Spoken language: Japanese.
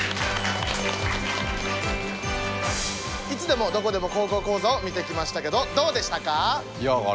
「いつでもどこでも高校講座」を見てきましたけどどうでしたか？